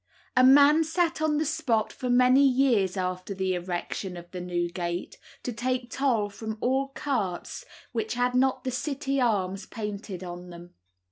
A man sat on the spot for many years after the erection of the new gate, to take toll from all carts which had not the City arms painted on them.